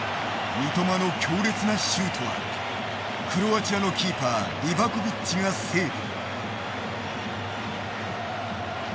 三笘の強烈なシュートはクロアチアのキーパーリヴァコヴィッチがセーブ。